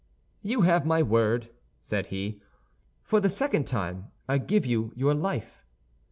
"You have my word," said he; "for the second time I give you your life."